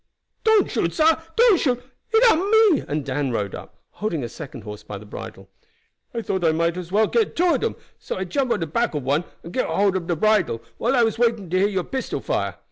"Don't shoot, sah! Don't shoot! It am me!" and Dan rode up, holding a second horse by the bridle. "I thought I might as well get two ob dem, so I jump on de back ob one and get hold ob anoder bridle while I was waiting to hear your pistol fire.